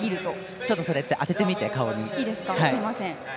ちょっとそれ当ててみて、顔に。